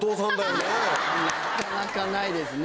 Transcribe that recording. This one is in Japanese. なかなかないですね。